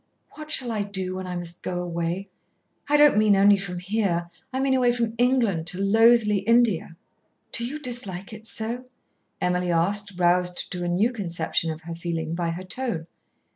"What shall I do when I must go away?" "I don't mean only from here, I mean away from England, to loathly India." "Do you dislike it so?" Emily asked, roused to a new conception of her feeling by her tone.